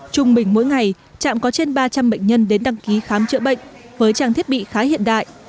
trung bình mỗi ngày trạm có trên ba trăm linh bệnh nhân đến đăng ký khám chữa bệnh với trang thiết bị khá hiện đại